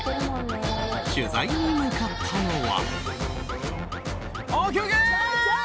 取材に向かったのは。